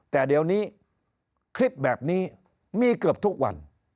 แต่เดี๋ยวนี้คลิปแบบนี้มีเกือบทุกวัน